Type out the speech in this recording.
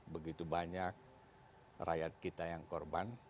begitu banyak rakyat kita yang korban